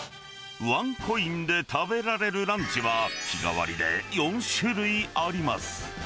ワンコインで食べられるランチは、日替わりで４種類あります。